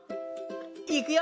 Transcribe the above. いくよ！